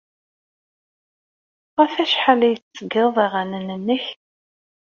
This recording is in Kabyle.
Ɣef wacḥal ay tettgeḍ aɣanen-nnek?